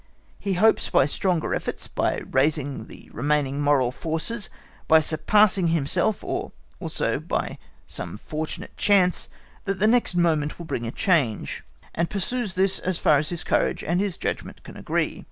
He hopes by stronger efforts, by raising the remaining moral forces, by surpassing himself, or also by some fortunate chance that the next moment will bring a change, and pursues this as far as his courage and his judgment can agree.